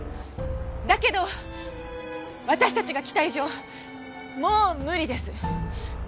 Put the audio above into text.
だけど私たちが来た以上もう無理です。